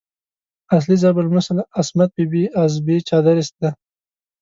اصلي ضرب المثل "عصمت بي بي از بې چادريست" دی.